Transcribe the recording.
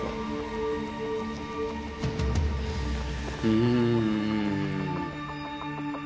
うん。